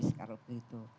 pasti sekarang begitu